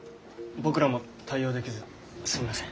僕らも対応できずすみません。